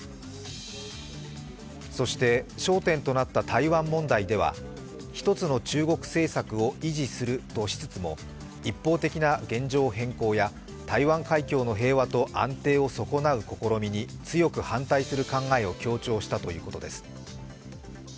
そして焦点となった台湾問題では１つの中国政策を維持するとしつつも一方的な現状変更や台湾海峡の平和と安定を損なう試みに強く反対する考えを強調したということです。